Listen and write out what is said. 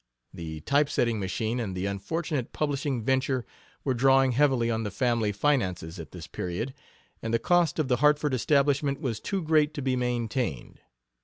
The typesetting machine and the unfortunate publishing venture were drawing heavily on the family finances at this period, and the cost of the Hartford establishment was too great to be maintained.